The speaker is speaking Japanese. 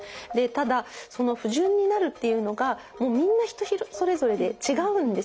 ただその不順になるっていうのがもうみんな人それぞれで違うんですよね。